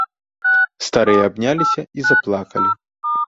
Старыя абняліся і заплакалі.